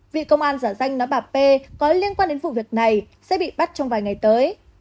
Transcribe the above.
vì công an giả danh nói bà p có liên quan đến vụ việc này sẽ bị bắt trong vài ngày tới